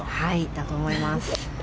だと思います。